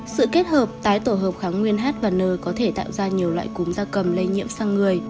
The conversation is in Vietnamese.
sự kết hợp tái tổ hợp kháng nguyên h và n có thể tạo ra nhiều loại cúm da cầm lây nhiễm sang người